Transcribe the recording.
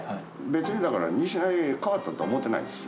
別にだから、西成変わったと思ってないです。